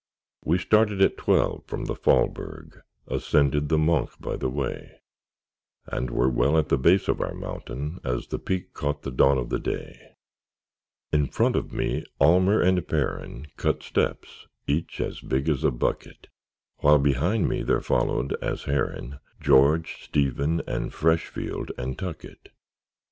We started at twelve from the Faulberg; Ascended the Monch by the way; And were well at the base of our mountain, As the peak caught the dawn of the day. In front of me Almer and Perren Cut steps, each as big as a bucket; While behind me there followed, as Herren, George, Stephen, and Freshfield, and Tuckett.